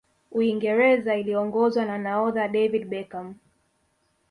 uingereza iliongozwa na nahodha david beckham